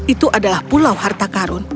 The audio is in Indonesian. itu adalah pulau harta karun